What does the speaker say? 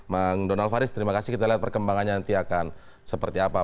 bang donald faris terima kasih kita lihat perkembangannya nanti akan seperti apa